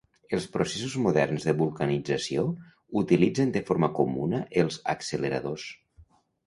Els processos moderns de vulcanització utilitzen de forma comuna els acceleradors.